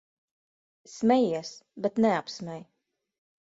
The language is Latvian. Smejies, bet neapsmej.